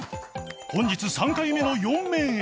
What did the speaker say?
本日３回目の４面へ！